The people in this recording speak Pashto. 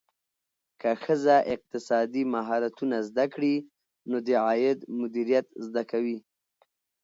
که ښځه اقتصادي مهارتونه زده کړي، نو د عاید مدیریت زده کوي.